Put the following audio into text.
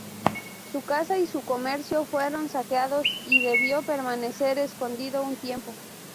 Su casa y su comercio fueron saqueados, y debió permanecer escondido un tiempo.